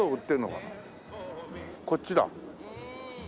こっちだ。